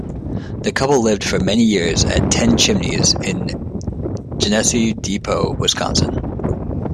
The couple lived for many years at "Ten Chimneys" in Genesee Depot, Wisconsin.